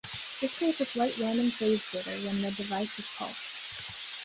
This creates a slight random phase jitter when the device is pulsed.